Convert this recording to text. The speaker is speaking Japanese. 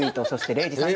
礼二さん